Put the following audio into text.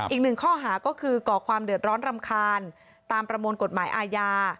อีกหนึ่งข้อหาก็คือก่อความเดือดร้อนรำคาญตามประมวลกฎหมายอาญา